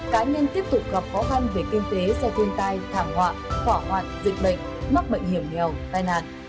cá nhân tiếp tục gặp khó khăn về kinh tế do thiên tai thảm họa hỏa hoạn dịch bệnh mắc bệnh hiểm nghèo tai nạn